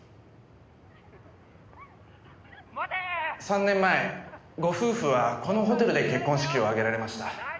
「３年前ご夫婦はこのホテルで結婚式を挙げられました」